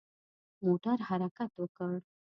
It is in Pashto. موټر حرکت وکړ.